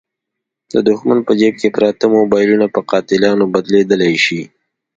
د دوښمن په جیب کې پراته موبایلونه په قاتلانو بدلېدلای شي.